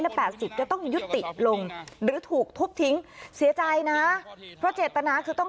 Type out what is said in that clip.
ร้อยละ๘๐ก็ต้องยุดติดลงหรือถูกทบทิ้ง